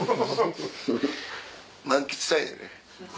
満喫したいんやね。